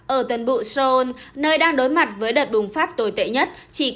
ở tuần bụi seoul nơi đang đối mặt với đợt bùng phát tồi tệ nhất